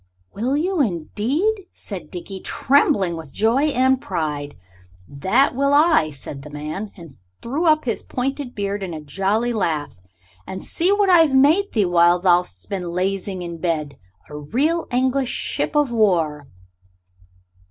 "Will you, indeed?" said Dickie, trembling with joy and pride. "That will I," said the man, and threw up his pointed beard in a jolly laugh. "And see what I've made thee while thou'st been lazying in bed a real English ship of war."